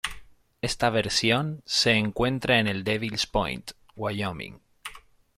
Esta versión se encuentra en Devil's Point, Wyoming.